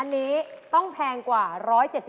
อันนี้ต้องแพงกว่า๑๗๐